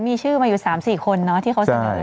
มีชื่อมาอยู่สามสี่คนเนอะที่เขาเสนอ